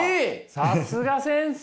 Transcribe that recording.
さすが先生！